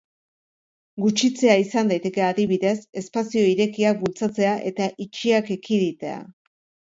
Gutxitzea izan daiteke, adibidez, espazio irekiak bultzatzea eta itxiak ekiditea.